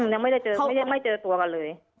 ยังไม่ได้เจอไม่เจอตัวกันเลย